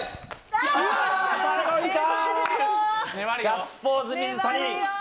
ガッツポーズ、平野！